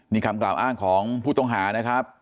มีคำตอบอ้างของผู้ต้องหานะครับ